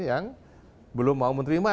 yang belum mau menerima